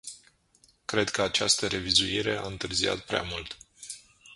Cred că această revizuire a întârziat prea mult.